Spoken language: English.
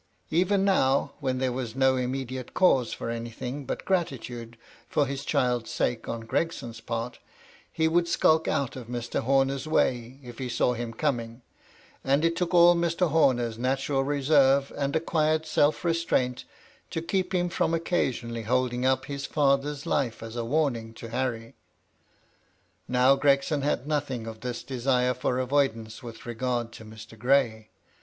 ven now, when there was no immediate cause for anything but gratitude for his child's sake on Gregson's part, he would skulk out of Mr. Horner's way, if he saw him coming ; and it took all Mr. Homer's natural reserve MY LADY LUDLOW. 261 and acquired self restraint to keep him from occa sionally holding up his father's life as a warning to Harry. Now Gregson had nothing of this desire for avoidance with regard to Mr. Gray.